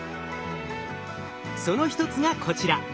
その一つがこちら。